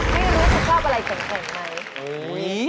ไม่รู้ที่ชอบอะไรเฉยไหม